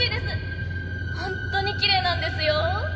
本当にきれいなんですよ。